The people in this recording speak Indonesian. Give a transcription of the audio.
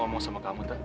nah dasar kamu pat